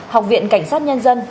học viện cảnh sát nhân dân